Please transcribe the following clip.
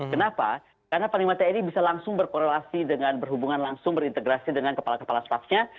kenapa karena panglima tni bisa langsung berkorelasi dengan berhubungan langsung berintegrasi dengan kepala kepala staffnya